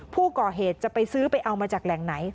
ผู้ก่อเหตุจะไปซื้อไปเอามาจากแหล่งไหน